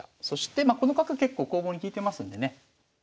そしてこの角結構攻防に利いてますんでね